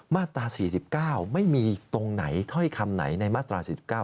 มาตรา๔๙ไม่มีตรงไหนถ้อยคำไหนในมาตรา๔๙